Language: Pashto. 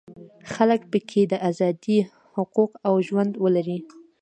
خلک په کې د ازادیو حقوق او ژوند ولري.